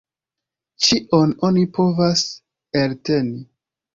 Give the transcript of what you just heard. Ĉion oni povas elteni.